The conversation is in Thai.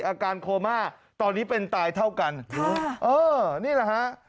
อาการโคม่าตอนนี้เป็นตายเท่ากันเออนี่แหละฮะ